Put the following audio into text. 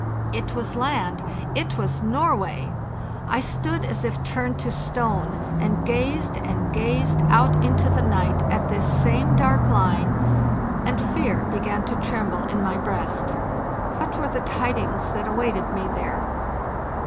It was land, it was Norway! I stood as if turned to stone, and gazed and gazed out into the night at this "WE STOOD LOOKING OVER THE SEA" same dark line, and fear began to tremble in my breast. What were the tidings that awaited me there?